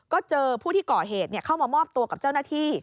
ก็เจอผู้ที่ก่อเหตุเข้ามามอบตัวกับเจ้าหน้าที่